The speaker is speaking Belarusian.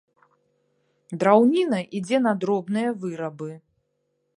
Драўніна ідзе на дробныя вырабы.